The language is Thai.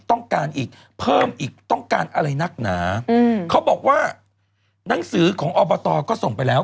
ต้องการอีกเพิ่มอีกต้องการอะไรนักหนาอืมเขาบอกว่าหนังสือของอบตก็ส่งไปแล้ว